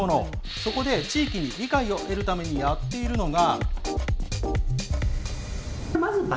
そこで、地域に理解を得るためにやっているのが。